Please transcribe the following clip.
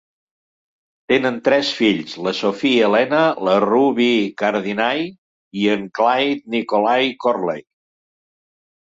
Tenen tres fills: la Sophie Elena, la Ruby Cardinahl i en Clyde Nikolai Corley.